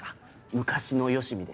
昔のよしみで。